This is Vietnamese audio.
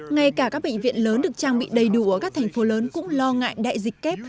ngay cả các bệnh viện lớn được trang bị đầy đủ ở các thành phố lớn cũng lo ngại đại dịch kép